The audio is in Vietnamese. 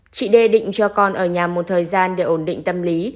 chị đê định cho con ở nhà một thời gian để ổn định tâm lý